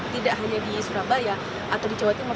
tidak hanya di surabaya atau di jawa timur